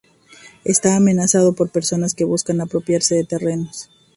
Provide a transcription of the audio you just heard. Está amenazado por personas que buscan apropiarse de terrenos.